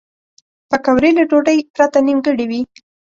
پکورې له ډوډۍ پرته نیمګړې وي